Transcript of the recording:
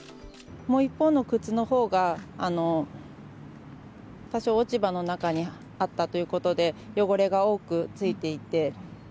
もう一方の靴のほうが、多少落ち葉の中にあったということで、汚れが多くついていて。